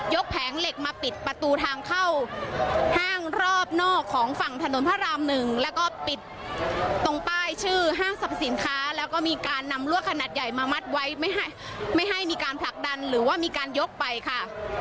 แผงเหล็กมาปิดประตูทางเข้าห้างรอบนอกของฝั่งถนนพระรามหนึ่งแล้วก็ปิดตรงป้ายชื่อห้างสรรพสินค้าแล้วก็มีการนำรั่วขนาดใหญ่มามัดไว้ไม่ให้มีการผลักดันหรือว่ามีการยกไปค่ะ